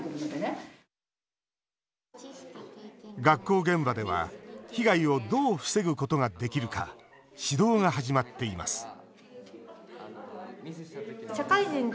学校現場では被害をどう防ぐことができるか指導が始まっています